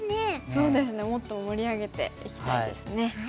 そうですねもっと盛り上げていきたいですね。